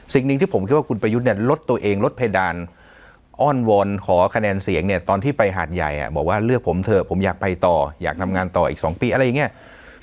สิ่งหนึ่งที่ผมคิดว่าคุณประยุทธ์เนี่ยลดตัวเองลดเพดานอ้อนวอนขอคะแนนเสียงเนี่ยตอนที่ไปหาดใหญ่บอกว่าเลือกผมเถอะผมอยากไปต่ออยากทำงานต่ออีก๒ปีอะไรอย่างนี้